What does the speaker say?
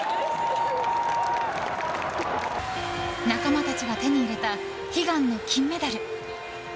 仲間たちが手に入れた悲願の金メダル。